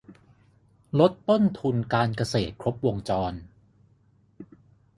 ลดต้นทุนการเกษตรครบวงจร